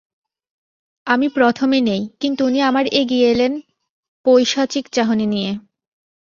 আমি প্রথমে নেই, কিন্তু উনি আমার এগিয়ে এলেন পৈশাচিক চাহনি নিয়ে।